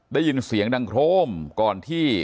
ได้ยินเสียงดังโครมก่อนที่